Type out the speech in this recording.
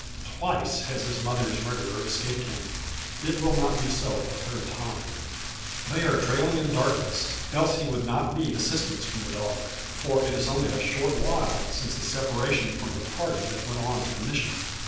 Twice has his mother's murderer escaped him. It will not be so a third time. They are trailing in darkness, else he would not need assistance from the dog. For it is only a short while since his separation from the party that went on to the Mission.